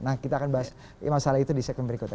nah kita akan bahas masalah itu di segmen berikutnya